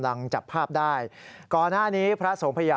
พระบุว่าจะมารับคนให้เดินทางเข้าไปในวัดพระธรรมกาลนะคะ